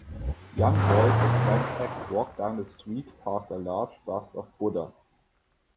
Young boys with backpacks walk down the street past a large bust of Buddha